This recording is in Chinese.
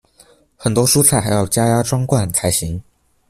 很多蔬菜还要加压装罐才行。